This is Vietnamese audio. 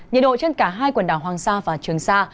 nhiệt độ trên cả hai quần đảo hoàng sa và trường sa